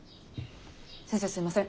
先生すいません。